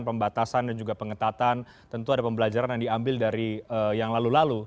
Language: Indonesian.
pembatasan dan juga pengetatan tentu ada pembelajaran yang diambil dari yang lalu lalu